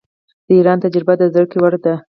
د ایران تجربه د زده کړې وړ ده.